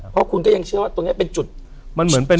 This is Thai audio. เพราะคุณก็ยังเชื่อว่าตรงนี้เป็นจุดเชื่อมโลก